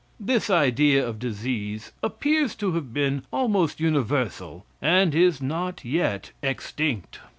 This idea of disease appears to have been almost universal and is not yet extinct.